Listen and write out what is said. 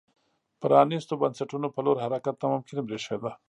پرانیستو بنسټونو په لور حرکت ناممکن برېښېده.